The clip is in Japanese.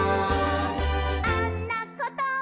「あんなこと」